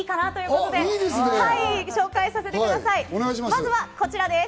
まずはこちらです。